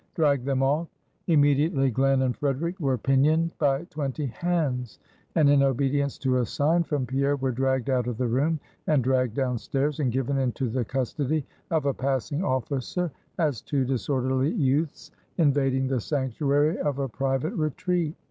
drag them off!" Immediately Glen and Frederic were pinioned by twenty hands; and, in obedience to a sign from Pierre, were dragged out of the room, and dragged down stairs; and given into the custody of a passing officer, as two disorderly youths invading the sanctuary of a private retreat.